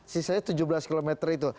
sisanya tujuh belas km itu